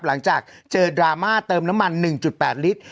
หลังจากเจอดราม่าเติมน้ำมัน๑๘ลิตร